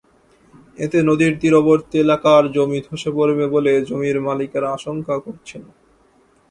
এতে নদীর তীরবর্তী এলাকার জমি ধসে পড়বে বলে জমির মালিকেরা আশঙ্কা করছেন।